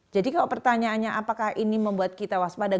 jadi kalau pertanyaannya apakah ini membuat kita waspada